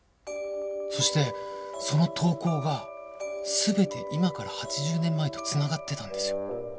そしてその投稿が全て今から８０年前とつながってたんですよ。